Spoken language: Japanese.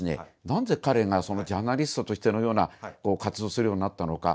なんで彼がジャーナリストとしてのような活動をするようになったのか。